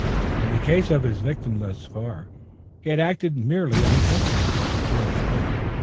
In the case of his victims thus far, he had acted merely on principle to win his point.